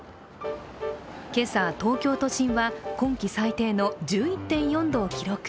今朝、東京都心は今季最低の１１．４度を記録。